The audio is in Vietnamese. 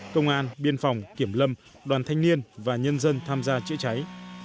công an biên phòng kiểm lâm đoàn thanh niên và nhân dân tham gia chữa cháy